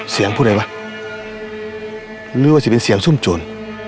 พูดอะไรวะหรือว่าจะเป็นเสียงซุ่มจูน